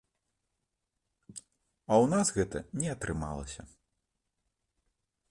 А ў нас гэта не атрымалася.